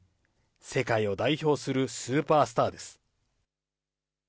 世界を代表するスーパースターです。